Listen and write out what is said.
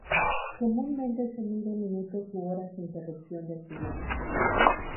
Comúnmente se mide en minutos u horas de interrupción del cliente.